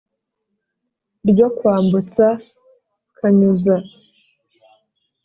ryo kwambutsa kanyuza